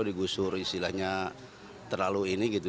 digusur istilahnya terlalu ini gitu